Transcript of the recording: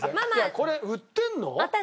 これ売ってるの？